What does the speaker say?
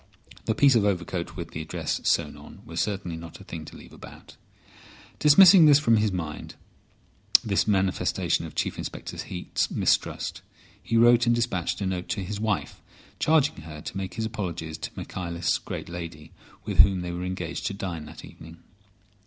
The piece of overcoat with the address sewn on was certainly not a thing to leave about. Dismissing from his mind this manifestation of Chief Inspector Heat's mistrust, he wrote and despatched a note to his wife, charging her to make his apologies to Michaelis' great lady, with whom they were engaged to dine that evening.